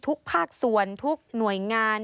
ก็คือคนกัดขึ้นกัน